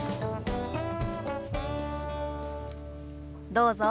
どうぞ。